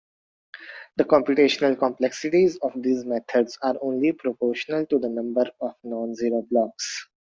The computational complexities of these methods are only proportional to the number of non-zero blocks.